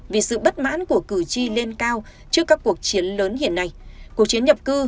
vì sự bất mãn của cử tri lên cao trước các cuộc chiến lớn hiện nay cuộc chiến nhập cư